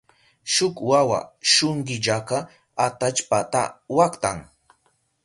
Shuk wawa shunkillaka atallpata waktan.